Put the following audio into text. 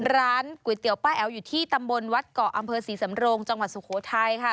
ร้านก๋วยเตี๋ยวป้าแอ๋วอยู่ที่ตำบลวัดเกาะอำเภอศรีสำโรงจังหวัดสุโขทัยค่ะ